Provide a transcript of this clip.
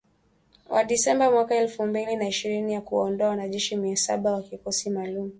Wa Disemba mwaka elfu mbili na ishirini wa kuwaondoa wanajeshi mia saba wa kikosi maalum.